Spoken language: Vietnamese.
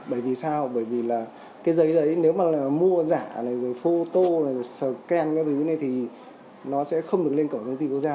bởi vì sao bởi vì là cái giấy đấy nếu mà mua giả này rồi photo rồi scan cái thứ này thì nó sẽ không được lên cổng công ty quốc gia